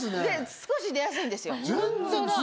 少し出やすいんですよ。